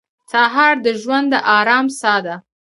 سهار د ژوند د ارام ساه ده.